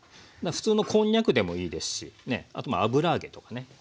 普通のこんにゃくでもいいですしあと油揚げとかね。